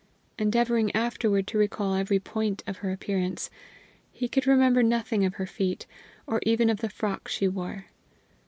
Endeavoring afterward to recall every point of her appearance, he could remember nothing of her feet, or even of the frock she wore.